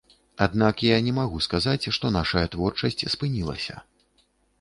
Аднак я не магу сказаць, што нашая творчасць спынілася.